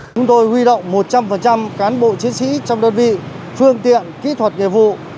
chúng tôi huy động một trăm linh cán bộ chiến sĩ trong đơn vị phương tiện kỹ thuật nghiệp vụ